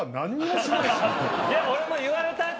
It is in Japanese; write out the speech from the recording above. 俺も言われた後。